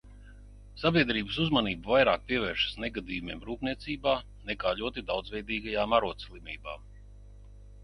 Sabiedrības uzmanība vairāk pievēršas negadījumiem rūpniecībā nekā ļoti daudzveidīgajām arodslimībām.